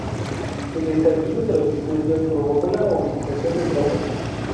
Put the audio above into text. El estallido de los disturbios provocó la movilización de tropas.